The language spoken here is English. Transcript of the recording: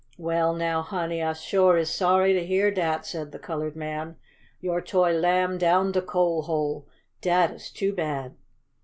"Well now, honey, I suah is sorry to heah dat!" said the colored man. "Your toy Lamb down de coal hole! Dat is too bad!"